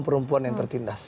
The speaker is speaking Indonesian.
perempuan yang tertindas